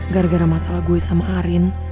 gara gara masalah gue sama arin